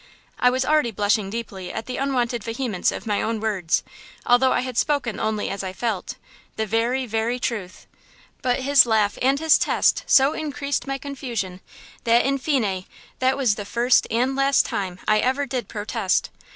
I was already blushing deeply at the unwonted vehemence of my own words, although I had spoken only as I felt–the very, very truth. But his laugh and his test so increased my confusion that, in fine, that was the first and last time I ever did protest!